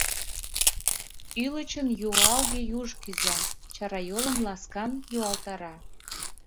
Ӱлычын юалге юж кӱза, чарайолым ласкан юалтара.